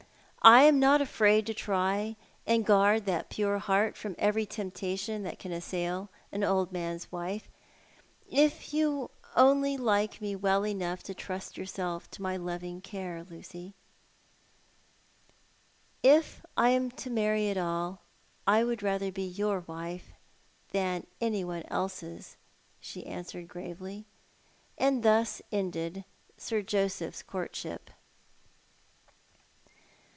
I am not afraid to try and guard that pure heart from every temptation that can assail an old man's wife — if you only like me well enough to trust yourself to my loving care, Lucy "" If I am to marry at all I would rather he your wife than any one else's," she answered gravely; and thus ended Sir Joseph's courtshij).